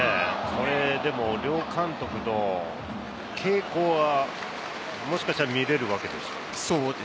両監督の傾向はもしかしたら見られるわけですよね。